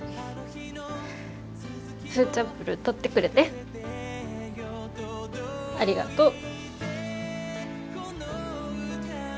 フーチャンプルー取ってくれてありがとう。